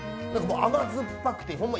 甘酸っぱくて、ほんま